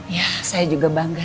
ya saya juga bangga